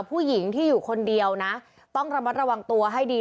ผู้หญิงที่อยู่คนเดียวนะต้องระมัดระวังตัวให้ดี